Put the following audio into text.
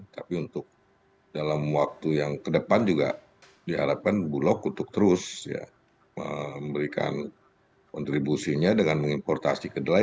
tapi untuk dalam waktu yang kedepan juga diharapkan bulog untuk terus memberikan kontribusinya dengan mengimportasi kedelai